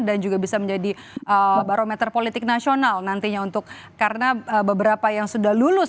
dan juga bisa menjadi barometer politik nasional nantinya untuk karena beberapa yang sudah lulus